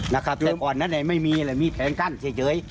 นะครับแต่ก่อนแหละไม่มีมีแผงกั้นใช้เจย